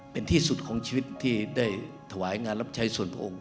เป็นที่สุดของชีวิตที่ได้ถวายงานรับใช้ส่วนพระองค์